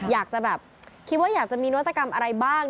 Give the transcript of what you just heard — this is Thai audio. อยากจะแบบคิดว่าอยากจะมีนวัตกรรมอะไรบ้าง